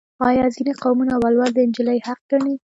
آیا ځینې قومونه ولور د نجلۍ حق نه ګڼي؟